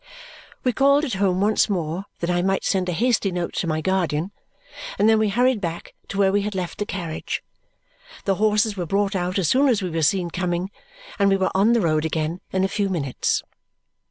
We called at home once more that I might send a hasty note to my guardian, and then we hurried back to where we had left the carriage. The horses were brought out as soon as we were seen coming, and we were on the road again in a few minutes.